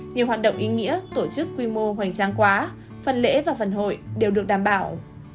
nhiều hoạt động ý nghĩa tổ chức quy mô hoành trang quá phần lễ và phần hội đều được đảm bảo